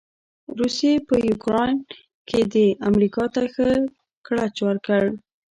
روسې په يوکراين کې امریکا ته ښه ګړچ ورکړ.